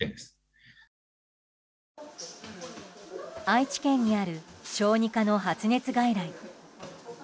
愛知県にある小児科の発熱外来。